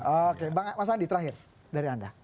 oke mas andi terakhir dari anda